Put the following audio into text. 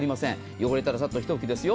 汚れたらサッとひと拭きです。